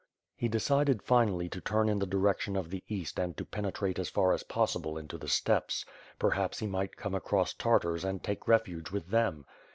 He decided, finally, to tuni in the direction of the East and to penetrate as far as possible into the steppes. Perhaps he might come across Tartars and take refuge with them.